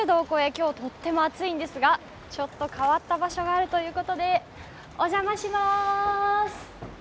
今日、とっても暑いんですがちょっと変わった場所があるということで、お邪魔します。